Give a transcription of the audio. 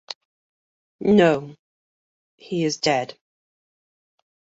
No; he is dead.